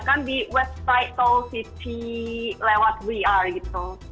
akan di website seoul city lewat vr gitu